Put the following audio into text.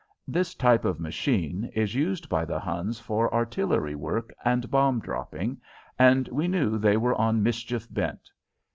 This type of machine is used by the Huns for artillery work and bomb dropping, and we knew they were on mischief bent.